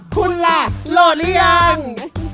คุณล่ะโหลดหรือยัง